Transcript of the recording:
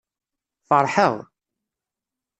Feṛḥeɣ.